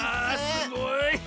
あすごい！